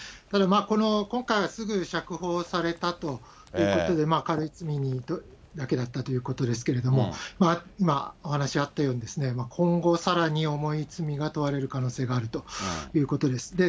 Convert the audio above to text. ただ、この今回はすぐ釈放されたということで、軽い罪だけだったということですけど、今、お話があったようにですね、今後、さらに重い罪が問われる可能性があるということです。